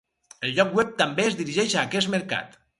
El lloc web també es dirigeix a aquest mercat.